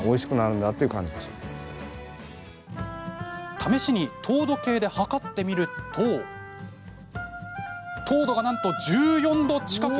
試しに糖度計で測ってみると糖度が、なんと１４度近く。